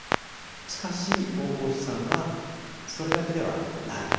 しかし大河内さんはそれだけではない。